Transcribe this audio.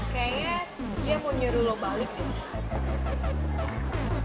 kayaknya dia mau nyuruh lo balik nih